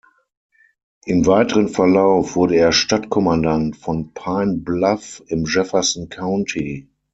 Im weiteren Verlauf wurde er Stadtkommandant von Pine Bluff im Jefferson County.